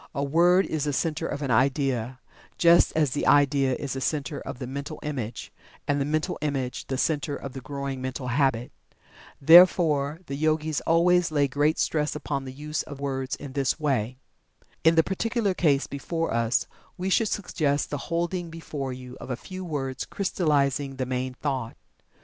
A word is the center of an idea, just as the idea is the center of the mental image, and the mental image the center of the growing mental habit. Therefore, the Yogis always lay great stress upon the use of words in this way. In the particular case before us, we should suggest the holding before you of a few words crystallizing the main thought.